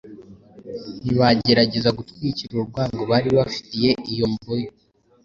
ntibageregeza gutwikira urwango bari bafitiye iyo mbohe.